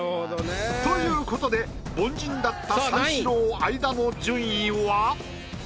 ということで凡人だった三四郎相田の順位は。